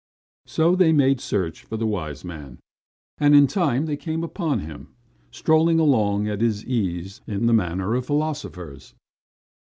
So they made search for the wise man, and in time they came upon him, strolling along at his ease in the manner of philosophers.